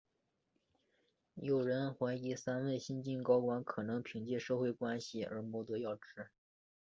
有人怀疑三位新晋高管可能是凭借社会关系而谋得要职。